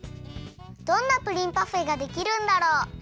どんなプリンパフェができるんだろう？